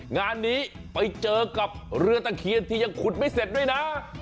งานนี้ไปเจอกับเรือตะเคียนที่ยังขุดไม่เสร็จด้วยนะ